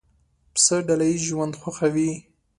پسه ډله ییز ژوند خوښوي.